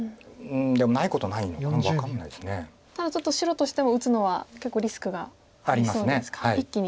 ただちょっと白としても打つのは結構リスクがありそうですか。